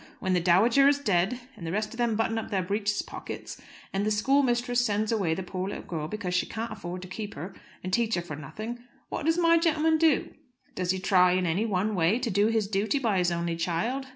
When the dowager is dead, and the rest of them button up their breeches' pockets, and the schoolmistress sends away the poor little girl because she can't afford to keep her and teach her for nothing, what does my gentleman do? Does he try in any one way to do his duty by his only child?